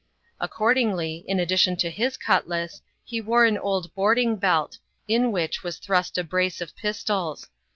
Accordingly, in addition to his cutlass, he wore an old boarding belt, in which was thrust a brace of pistols.